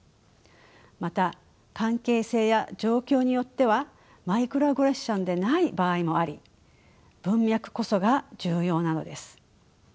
また関係性や状況によってはマイクロアグレッションでない場合もあり文脈こそが重要なのです。